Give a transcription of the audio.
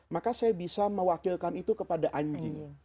maka saya bisa mewakilkan itu kepada anjing